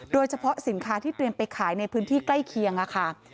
โดยเฉพาะสินค้าที่เตรียมไปขายในพื้นที่ใกล้เคียงค่ะ